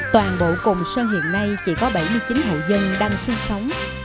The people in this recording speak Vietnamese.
toàn bộ cồn sơn hiện nay chỉ có bảy mươi chín hộ dân đang sinh sống